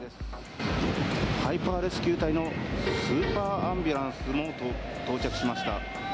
ハイパーレスキュー隊のスーパーアンビュランスも到着しました。